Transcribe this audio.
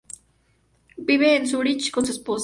Vive en Zúrich con su esposa.